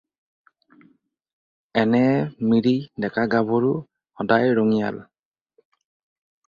এনেয়ে মিৰি ডেকা-গাভৰু সদায় ৰঙিয়াল।